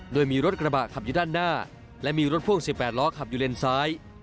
โดยมีรถกระบะขับอยู่ด้านหน้าและมีรถพ่วง๑๘ล้อขับอยู่เลนซ้าย